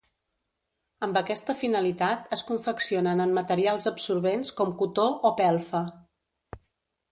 Amb aquesta finalitat es confeccionen en materials absorbents com cotó o pelfa.